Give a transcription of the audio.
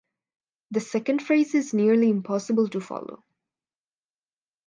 The second phrase is nearly impossible to follow.